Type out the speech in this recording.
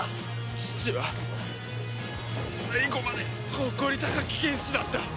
父は最後まで誇り高き剣士だった。